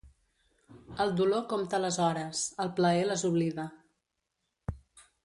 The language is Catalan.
El dolor compta les hores; el plaer les oblida.